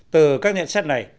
từ các nhận xét này